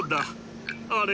あれ？